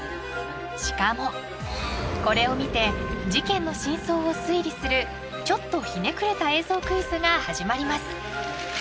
［しかもこれを見て事件の真相を推理するちょっとひねくれた映像クイズが始まります］